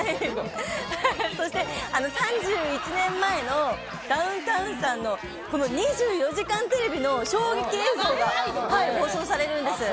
そして、３１年前のダウンタウンさんの、この『２４時間テレビ』の衝撃映像が放送されるんです。